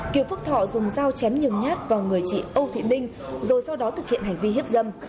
kiều phước thọ dùng dao chém nhiều nhát vào người chị âu thị linh rồi sau đó thực hiện hành vi hiếp dâm